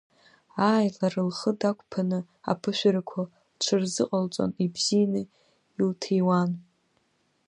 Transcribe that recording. Ааи, лара лхы дақәԥаны аԥышәарақәа лҽырзыҟалҵон, ибзианы илҭиуан.